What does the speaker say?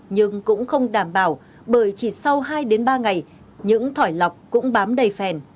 nhưng cũng không đảm bảo bởi chỉ sau hai ba ngày những thỏi lọc cũng bám đầy phèn